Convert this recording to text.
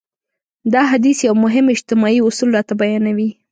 دا حديث يو مهم اجتماعي اصول راته بيانوي.